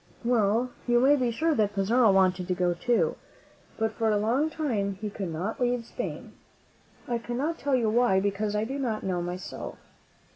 Well, you may be sure that Pizarro wanted to go too; but for a long time he could not leave Spain. I cannot tell you why, because I do not know myself.